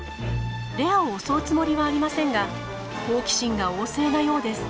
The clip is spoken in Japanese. レアを襲うつもりはありませんが好奇心が旺盛なようです。